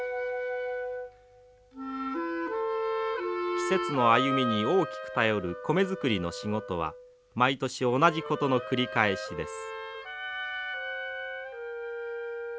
季節の歩みに大きく頼る米作りの仕事は毎年同じことの繰り返しです。